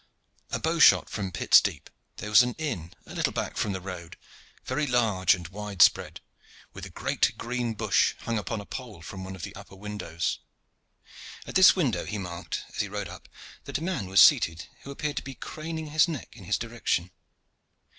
A bow shot from Pitt's Deep there was an inn a little back from the road, very large and wide spread, with a great green bush hung upon a pole from one of the upper windows. At this window he marked, as he rode up, that a man was seated who appeared to be craning his neck in his direction.